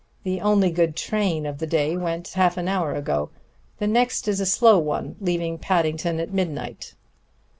The only good train of the day went half an hour ago. The next is a slow one, leaving Paddington at midnight.